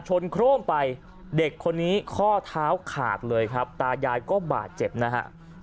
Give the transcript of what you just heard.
โคร่มไปเด็กคนนี้ข้อเท้าขาดเลยครับตายายก็บาดเจ็บนะฮะ